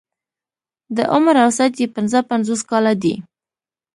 د عمر اوسط يې پنځه پنځوس کاله دی.